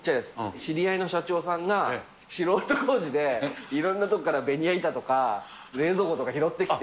知り合いの社長さんが素人工事で、いろんな所からベニヤ板とか冷蔵庫とか拾ってきて。